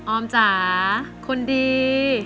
ออมจ๋าคนดี